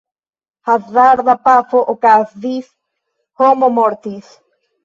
Hazarda pafo okazis, homo mortis.